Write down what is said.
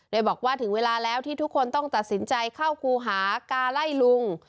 โดยบอกว่าถึงเวลาแล้วที่ทุกคนต้องตัดสินใจเข้าครูหากาไล่ลุง